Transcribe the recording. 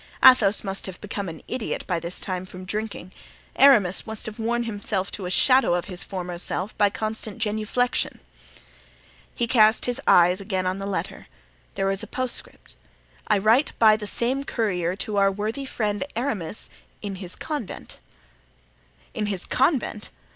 Athos must have become an idiot by this time from drinking. Aramis must have worn himself to a shadow of his former self by constant genuflexion." He cast his eyes again on the letter. There was a postscript: "I write by the same courier to our worthy friend Aramis in his convent." "In his convent!